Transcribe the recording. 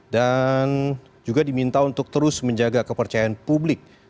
dan juga diminta untuk terus menjaga kepercayaan publik